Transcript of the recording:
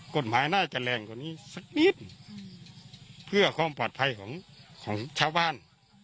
กฎหมายน่าจะแรงกว่านี้สักนิดเพื่อความปลอดภัยของของชาวบ้าน